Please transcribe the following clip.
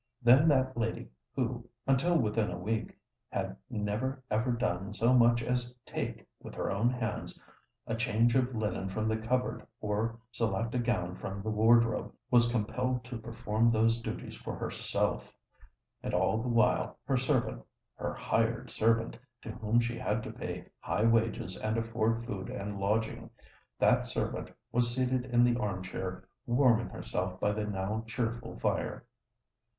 Then that lady, who—until within a week—had never even done so much as take, with her own hands, a change of linen from the cupboard or select a gown from the wardrobe, was compelled to perform those duties for herself;—and all the while her servant,—her hired servant, to whom she had to pay high wages and afford food and lodging,—that servant was seated in the arm chair, warming herself by the now cheerful fire!